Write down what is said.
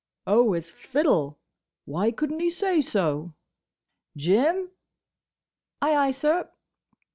"Oh! His fiddle! Why could n't he say so?—Jim!" "Ay, ay, sir!"